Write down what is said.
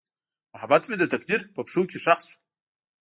محبت مې د تقدیر په پښو کې ښخ شو.